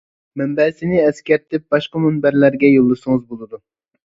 مەنبەسىنى ئەسكەرتىپ باشقا مۇنبەرلەرگە يولىسىڭىز بولىدۇ.